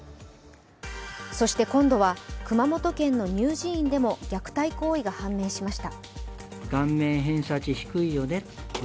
そして今度は熊本県の乳児院でも虐待行為が判明しました。